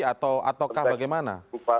atau ataukah bagaimana